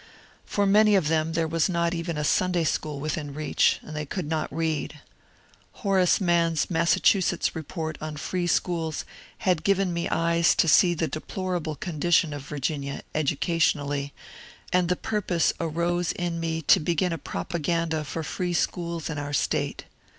For many of them there was not even a Sunday school within reach, and they could not read. Horace Mann*s Massachusetts Report on Free Schools had given me eyes to see the deplorable condition of Virginia, educationally, and the purpose arose in me to begin a propaganda for free schools in our State.